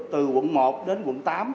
từ quận một đến quận tám